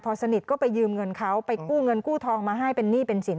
พอสนิทก็ไปยืมเงินเขาไปกู้เงินกู้ทองมาให้เป็นหนี้เป็นสิน